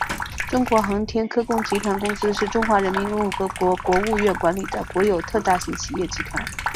中国航天科工集团公司是中华人民共和国国务院管理的国有特大型企业集团。